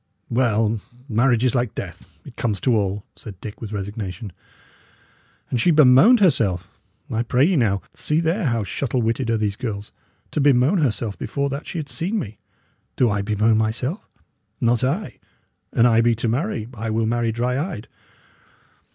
"Well! marriage is like death, it comes to all," said Dick, with resignation. "And she bemoaned herself? I pray ye now, see there how shuttle witted are these girls: to bemoan herself before that she had seen me! Do I bemoan myself? Not I. An I be to marry, I will marry dry eyed!